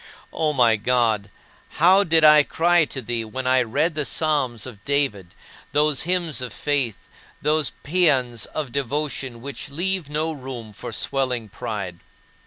8. O my God, how did I cry to thee when I read the psalms of David, those hymns of faith, those paeans of devotion which leave no room for swelling pride!